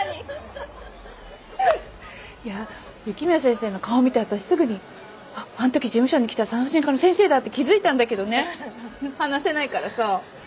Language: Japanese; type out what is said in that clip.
いや雪宮先生の顔見て私すぐにあっあの時事務所に来た産婦人科の先生だって気づいたんだけどね話せないからさ。